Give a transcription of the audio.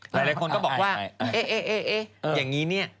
หลายคนก็บอกว่าเอ๊ะอย่างนี้เนี่ย